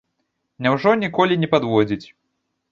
Няўжо ніколі не падводзіць?